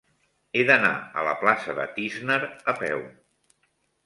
He d'anar a la plaça de Tísner a peu.